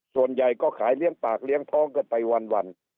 ส่วนใหญ่ก็ขายเลี้ยงปากเลี้ยงท้องกันไปวัน